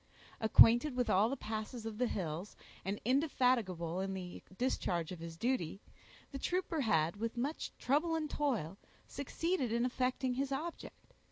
Acquainted with all the passes of the hills, and indefatigable in the discharge of his duty, the trooper had, with much trouble and toil, succeeded in effecting his object.